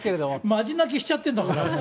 まじ泣きしちゃってるんだから。